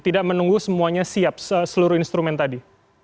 tidak menunggu semuanya siap seluruh instrumen tadi